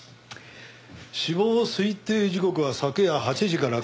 死亡推定時刻は昨夜８時から９時の間。